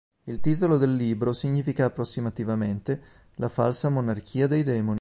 Il titolo del libro significa approssimativamente "la falsa monarchia dei demoni".